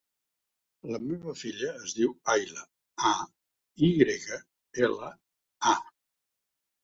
La meva filla es diu Ayla: a, i grega, ela, a.